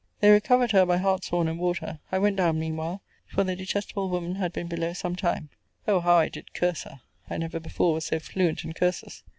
They recovered her by hartshorn and water. I went down mean while; for the detestable woman had been below some time. O how I did curse her! I never before was so fluent in curses.